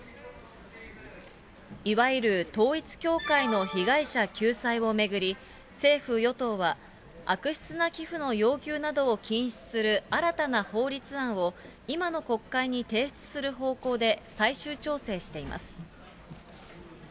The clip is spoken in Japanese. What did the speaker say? いわゆる統一教会の被害者救済を巡り、政府・与党は、悪質な寄付の要求などを禁止する新たな法律案を、今の国会に提出する方向で、最終調整しています。